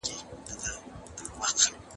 وزارت باید د سیاستونو له سیاسي اغېزو بهر وي.